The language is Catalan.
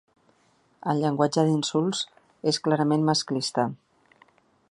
El llenguatge d’insults és clarament masclista.